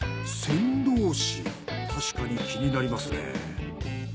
確かに気になりますね。